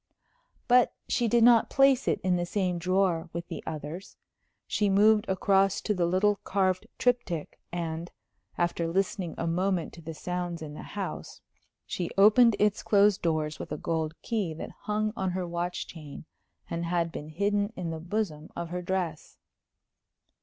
But she did not place it in the same drawer with the others. She moved across to the little carved triptych, and, after listening a moment to the sounds in the house, she opened its closed doors with a gold key that hung on her watch chain and had been hidden in the bosom of her dress.